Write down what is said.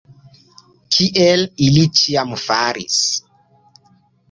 Kiel ili ĉiam faris.